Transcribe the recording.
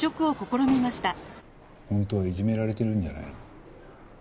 本当はいじめられてるんじゃないの？